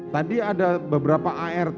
tadi ada beberapa art